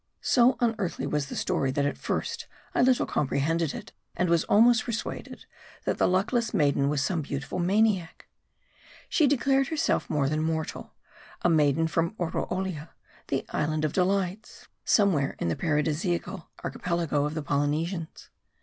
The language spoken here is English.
So unearthly was the story, that at first I little compre hended it ; and was almost persuaded that the luckless maiden was some beautiful maniac. She declared herself more than mortal, a maiden from Oroolia, the Island of Delights, somewhere in the paradisia cal archipelago of the Polynesians.